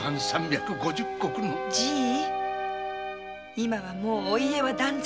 今はもうお家は断絶。